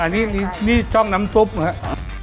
อันนี้ใช่นี่ช่องน้ำซุปเหรอฮะ